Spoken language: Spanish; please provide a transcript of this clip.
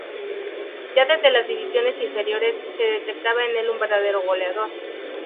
Ya desde las divisiones inferiores se detectaba en el un verdadero goleador.